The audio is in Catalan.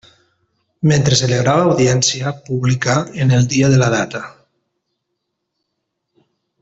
Mentre celebrava audiència pública en el dia de la data.